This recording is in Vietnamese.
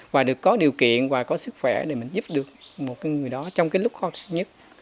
và được có điều kiện và có sức khỏe để mình giúp được một người đó trong cái lúc khó khăn nhất